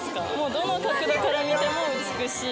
どの角度から見ても美しい。